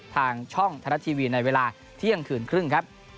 ทางช่องไทยรัฐทีวีในเวลาเที่ยงคืนครึ่งครับ